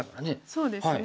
そうですね。